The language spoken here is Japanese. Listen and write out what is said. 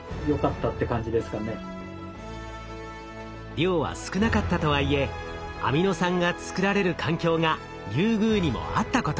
量は少なかったとはいえアミノ酸が作られる環境がリュウグウにもあったこと。